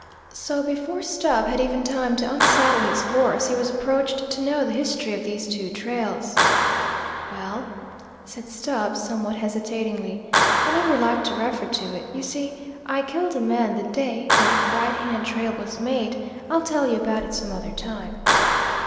So before Stubb had even time to unsaddle his horse, he was approached to know the history of these two trails. "Well," said Stubb somewhat hesitatingly, "I never like to refer to it. You see, I killed a man the day that right hand trail was made: I'll tell you about it some other time."